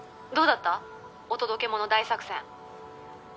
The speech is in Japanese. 「どうだった？お届け物大作戦」